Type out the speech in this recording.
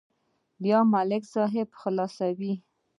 بیا به ملک صاحب خلاصوي.